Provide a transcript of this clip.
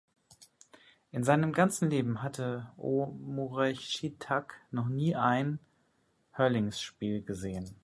In seinem ganzen Leben hatte Ó Muircheartaigh noch nie ein Hurling-Spiel gesehen.